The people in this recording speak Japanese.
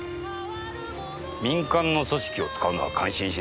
民間の組織を使うのは感心しない。